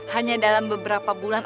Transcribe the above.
hanya dalam beberapa bulan